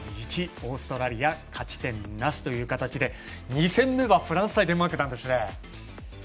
１オーストラリア勝ち点なしという形で２戦目はフランス対デンマークなんですね。